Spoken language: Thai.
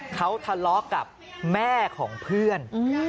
เขาทะเลาะกับแม่ของเพื่อน